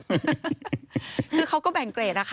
คือเขาก็แบ่งเกรดนะคะ